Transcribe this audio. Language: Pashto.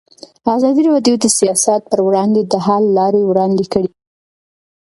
ازادي راډیو د سیاست پر وړاندې د حل لارې وړاندې کړي.